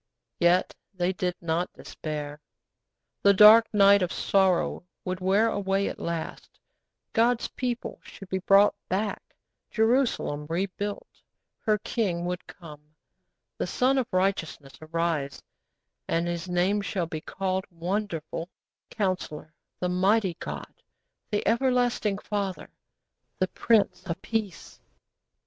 Yet they did not despair. The dark night of sorrow would wear away at last, God's people should be brought back, Jerusalem rebuilt; her King would come, the Sun of Righteousness arise, '_And His name shall be called Wonderful, Counsellor, The Mighty God, The Everlasting Father, The Prince of Peace.